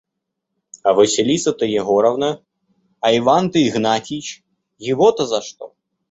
А Василиса-то Егоровна? А Иван-то Игнатьич? Его-то за что?..